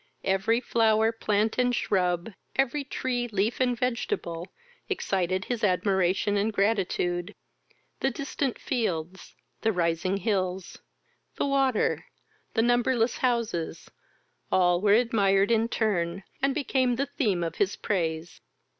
Every flower, plant, and shrub, every tree, leaf, and vegetable, excited his admiration and gratitude. The distant fields, the rising hills, the water, the numberless houses, all were admired in turn, and became the theme of his praise.